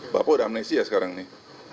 bapak udah amnesia sekarang nih